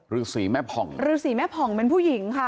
ฤษีแม่ผ่องฤษีแม่ผ่องเป็นผู้หญิงค่ะ